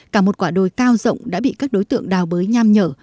cả một quả đồi cao rộng đã bị các đối tượng đào bới nham nhở